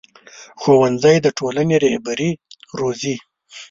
ښوونځی د ټولنې رهبري روزي